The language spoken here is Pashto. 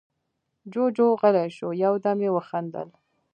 جُوجُو غلی شو، يو دم يې وخندل: